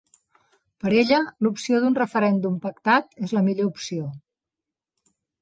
Per ella, l’opció d’un referèndum pactat és la millor opció.